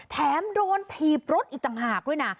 แถมโดนถีบรถอีกต่างหากด้วยนะ